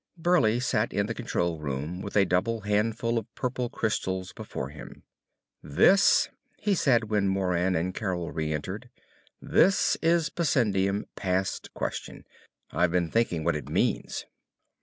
Burleigh sat in the control room with a double handful of purple crystals before him. "This," he said when Moran and Carol reëntered, "this is bessendium past question. I've been thinking what it means."